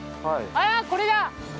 あっこれだ！